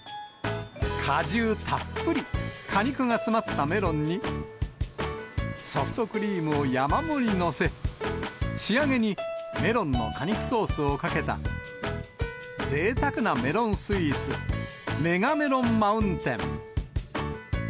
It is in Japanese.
果汁たっぷり、果肉が詰まったメロンに、ソフトクリームを山盛り載せ、仕上げにメロンの果肉ソースをかけた、ぜいたくなメロンスイーツ、メガメロンマウンテン。